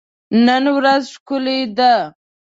نن ورځ ښکلي ده.